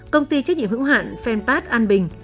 công ty trách nhiệm hữu hạn fanpat an bình